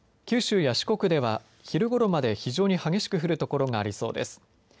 九州や四国では昼ごろまで非常に激しく降る所がありそうです。